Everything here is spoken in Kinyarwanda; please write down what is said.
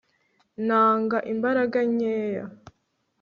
nanga imbaraga nkeya